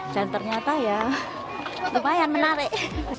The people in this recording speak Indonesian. dan ternyata ya lumayan menarik